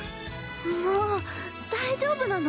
もう大丈夫なの？